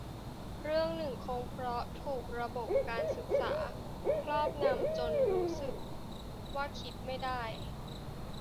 เรื่องนึงคงเพราะถูกระบบการศึกษาครอบงำจนรู้สึกว่าคิดไม่ได้